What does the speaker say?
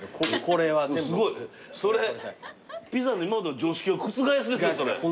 すごい。それピザの今までの常識を覆すですよそれ。